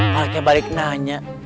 pak rt balik nanya